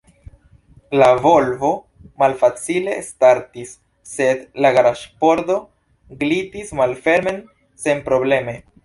La Volvo malfacile startis, sed la garaĝ-pordo glitis malfermen senprobleme.